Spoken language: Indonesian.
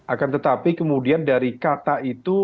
akan tetapi kemudian dari kata itu